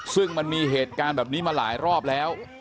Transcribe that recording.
ซึ่งมันมีเหตุการณ์แบบนี้มาหลายรอบแล้ว